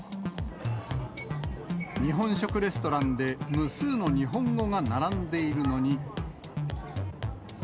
日本食レストランで無数の日本語が並んでいるのに。